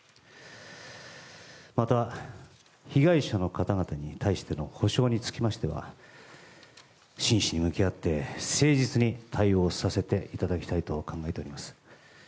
また、被害者の方々に対しての補償につきましては真摯に向き合って誠実に対応させていただきたいと考えております。